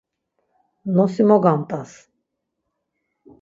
Nosi mo gamt̆as!